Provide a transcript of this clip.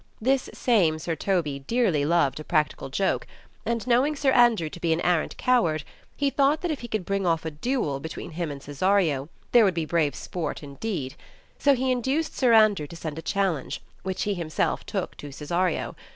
This same Sir Toby dearly loved a prac tical joke, and knowing Sir Andrew to be an arrant coward, he thought that if he could bring ofif a duel between him and Cesario, there would be brave sport indeed. So he induced Sir Andrew to send a challenge, which he himself took to Cesario.